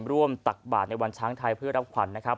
ตักบาทในวันช้างไทยเพื่อรับขวัญนะครับ